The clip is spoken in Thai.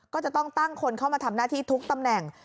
ก็จะต้องตั้งคนเข้ามาทำหน้าที่ทุกตำแหน่ง